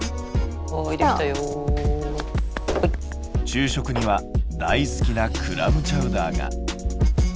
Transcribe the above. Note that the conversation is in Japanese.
昼食には大好きなクラムチャウダーが。